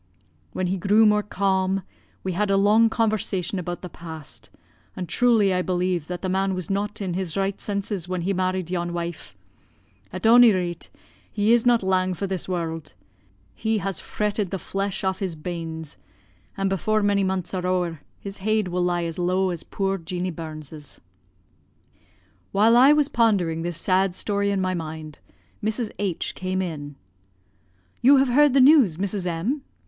"When he grew more calm, we had a long conversation about the past, and truly I believe that the man was not in his right senses when he married yon wife; at ony rate, he is not lang for this warld; he has fretted the flesh aff his banes, an' before many months are ower, his heid will lie as low as puir Jeanie Burns's." While I was pondering this sad story in my mind, Mrs. H came in. "You have heard the news, Mrs. M